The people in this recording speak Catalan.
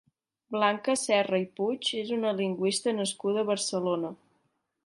Blanca Serra i Puig és una lingüista nascuda a Barcelona.